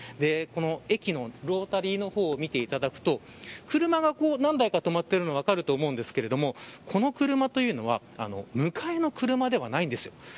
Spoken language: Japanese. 駅のロータリーの方を見ていただくと車が何台か止まっているのが分かると思うんですけどこの車というのは迎えの車ではないんです。